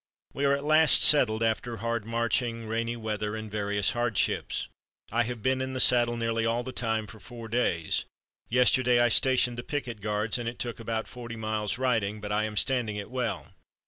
"We are at last settled after hard marching, rainy weather, and various hardships. I have been in the saddle nearly all the time for four days. Yesterday I stationed the picket guards, and it took about forty miles' riding, but I am standing it well.